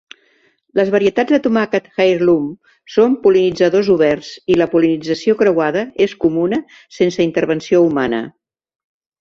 Les varietats de tomàquet "heirloom" són "pol·linitzadors oberts" i la pol·linització creuada és comuna sense intervenció humana.